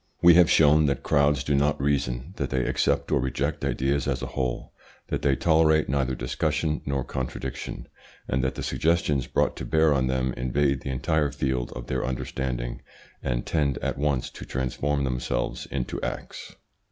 We have shown that crowds do not reason, that they accept or reject ideas as a whole, that they tolerate neither discussion nor contradiction, and that the suggestions brought to bear on them invade the entire field of their understanding and tend at once to transform themselves into acts.